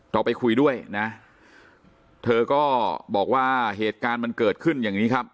เราไปคุยด้วยนะเธอก็บอกว่าเหตุการณ์มันเกิดขึ้นอย่างนี้ครับ